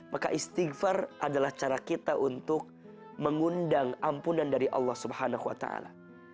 maka istighfar adalah cara kita untuk mengundang ampunan dari allah subhanahu wa ta'ala